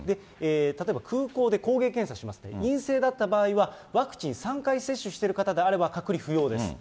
例えば空港で抗原検査しますね、陰性だった場合は、ワクチン３回接種してる方であれば、隔離不要です。